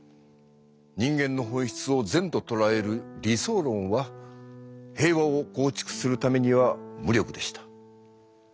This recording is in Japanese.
人間の本質を「善」と捉える理想論は平和を構築するためには無力でした。